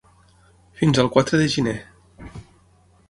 Fins al quatre de gener.